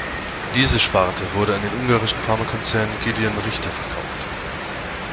Diese Sparte wurde an den ungarischen Pharmakonzern Gedeon Richter verkauft.